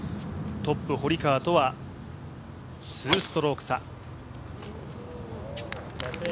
トップ、堀川とは２ストローク差。